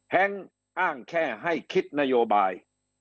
แฮงอ้างแค่ให้คิดนโยบาย